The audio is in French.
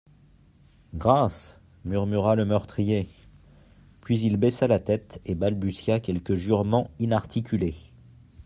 Grâce, murmura le meurtrier ; puis il baissa la tête et balbutia quelques jurements inarticulés.